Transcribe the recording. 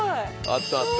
あったあった。